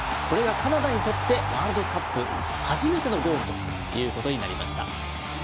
カナダにとってワールドカップ初めてのゴールということになりました。